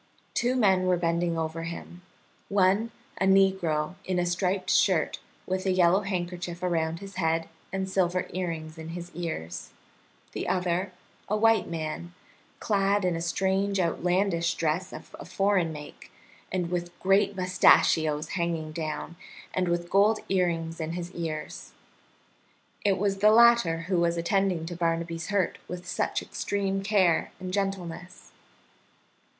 Two men were bending over him one, a negro in a striped shirt, with a yellow handkerchief around his head and silver earrings in his ears; the other, a white man, clad in a strange outlandish dress of a foreign make, and with great mustachios hanging down, and with gold earrings in his ears. It was the latter who was attending to Barnaby's hurt with such extreme care and gentleness.